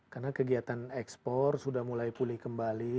karena kegiatan ekspor sudah mulai pulih kembali